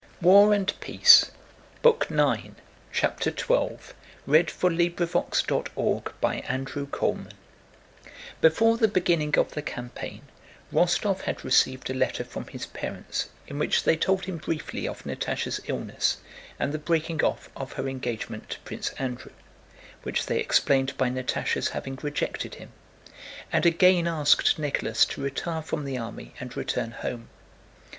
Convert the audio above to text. ttached to the sovereign's person, but for permission to serve in the army. CHAPTER XII Before the beginning of the campaign, Rostóv had received a letter from his parents in which they told him briefly of Natásha's illness and the breaking off of her engagement to Prince Andrew (which they explained by Natásha's having rejected him) and again asked Nicholas to retire from the army and return home.